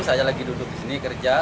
saya lagi duduk di sini kerja